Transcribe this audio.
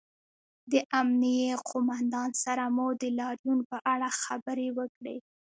د امنیې قومندان سره مو د لاریون په اړه خبرې وکړې